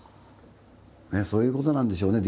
そういうことなんでしょうね